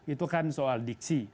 itu kan soal diksi